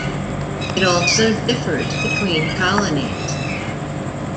It also differs between colonies.